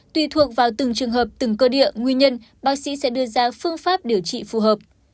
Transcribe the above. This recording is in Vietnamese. tùy thuộc vào từng trường hợp từng cơ địa nguyên nhân bác sĩ sẽ đưa ra phương pháp điều trị phù hợp